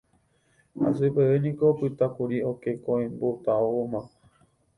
Hasy peve niko opytákuri oke koʼẽmbotávoma.